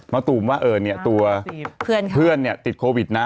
มะตุ๋มว่าตัวเพื่อนติดโควิดนะ